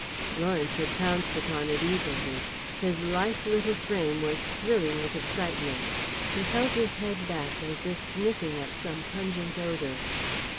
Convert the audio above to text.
Lawrence had pounced upon it eagerly. His lithe little frame was thrilling with excitement. He held his head back as if sniffing at some pungent odour.